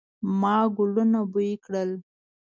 ما ګلونه بوی کړل